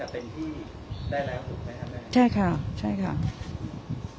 การเดินหน้าทางคดีตอนนี้จะเป็นที่ได้แล้วถูกไหมครับใช่ค่ะใช่ค่ะ